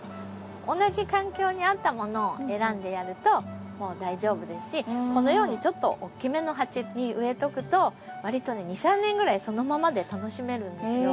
同じ環境に合ったものを選んでやると大丈夫ですしこのようにちょっと大きめの鉢に植えとくとわりとね２３年ぐらいそのままで楽しめるんですよ。